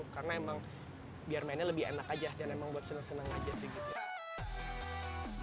karena emang biar mainnya lebih enak aja dan emang buat seneng seneng aja sih gitu